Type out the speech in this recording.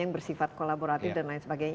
yang bersifat kolaboratif dan lain sebagainya